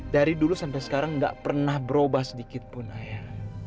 dari dulu sampai sekarang gak pernah berubah sedikitpun ayah